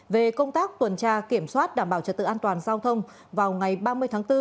về công tác tuần tra kiểm soát đảm bảo trật tự an toàn giao thông vào ngày ba mươi tháng bốn